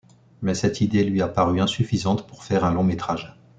Mais cette idée lui a paru insuffisante pour faire un long métrage.